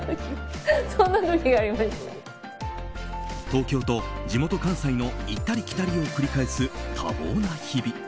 東京と地元・関西の行ったり来たりを繰り返す多忙な日々。